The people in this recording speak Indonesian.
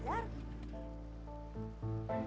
jangan bisa jadi orang